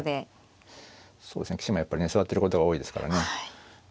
そうですね棋士もやっぱりね座ってることが多いですからね。